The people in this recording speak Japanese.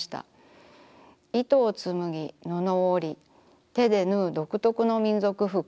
糸を紡ぎ布を織り手で縫う独特の民族服。